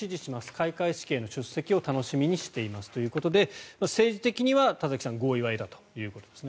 開会式への出席を楽しみにしていますということで政治的には田崎さん合意は得たということですね。